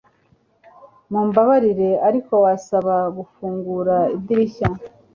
Mumbabarire ariko wasaba gufungura idirishya